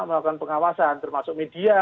melakukan pengawasan termasuk media